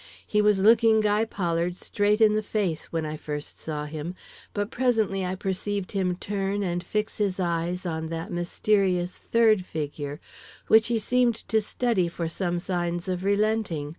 He was looking Guy Pollard straight in the face when I first saw him, but presently I perceived him turn and fix his eyes on that mysterious third figure which he seemed to study for some signs of relenting.